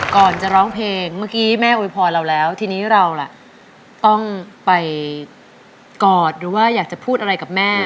ก่อนจะร้องเพลงเมื่อกี้แม่โวยพรเราแล้วทีนี้เราล่ะต้องไปกอดหรือว่าอยากจะพูดอะไรกับแม่